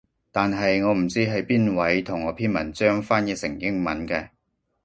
但係我唔知係邊位同我篇文章翻譯成英語嘅